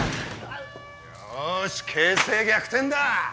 よし形勢逆転だ！